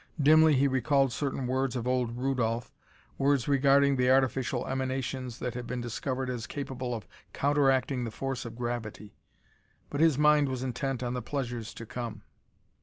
Dimly he recalled certain words of old Rudolph, words regarding the artificial emanations that had been discovered as capable of counteracting the force of gravity. But his mind was intent on the pleasures to come.